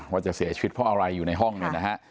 ว่าจะเสียชีวิตเพราะอะไรอยู่ในห้องเนี่ยนะฮะ